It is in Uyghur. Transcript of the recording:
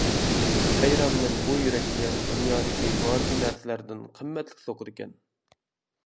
ھەيرانمەن بۇ يۈرەككە دۇنيادىكى بارچە نەرسىلەردىن قىممەتلىك سوقىدىكەن.